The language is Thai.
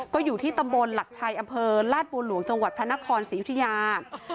ก็อยู่ที่ตำบลหลักชัยอำเภอลาดบัวหลวงจังหวัดพระนครศรียุธิยา